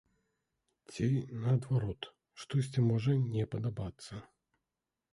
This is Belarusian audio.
Ці наадварот, штосьці можа не падабацца.